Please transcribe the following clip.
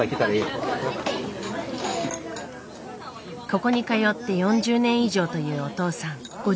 ここに通って４０年以上というお父さん。